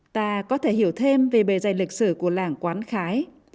ta có thể hiểu thêm về bề dày lịch sử của làng quán khái